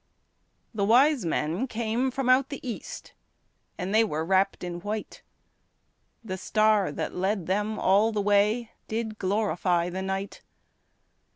The wise men came from out the east, And they were wrapped in white; The star that led them all the way Did glorify the night.